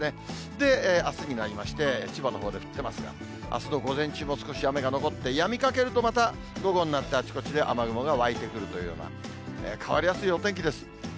で、あすになりまして、千葉のほうで降ってますが、あすの午前中も少し雨が残って、やみかけるとまた午後になってあちこちで雨雲が湧いてくるというような、変わりやすいお天気です。